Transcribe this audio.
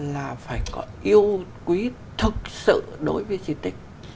là phải có yêu quý thực sự đối với di tích